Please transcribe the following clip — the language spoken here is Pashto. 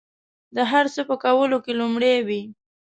د هر څه په کولو کې لومړي وي.